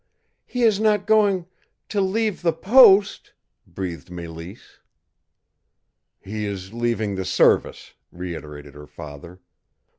"He is not going to leave the post?" breathed Mélisse. "He is leaving the service," reiterated her father.